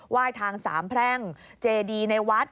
ว่ายทางสามแพร่งเจดีในวัด